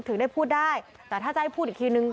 ถึงได้พูดได้แต่ถ้าใจพูดอีกครีมนึง